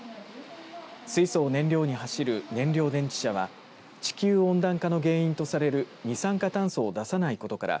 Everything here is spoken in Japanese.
水素を燃料に走る燃料電池車は地球温暖化の原因とされる二酸化炭素を出さないことから